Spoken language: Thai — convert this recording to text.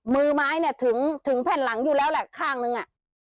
มือไม้ถึงแผ่นหลังอยู่แล้วแหละข้างนึง